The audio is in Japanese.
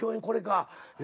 これか。